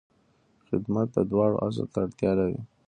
خدمت د دوام اصل ته اړتیا لري.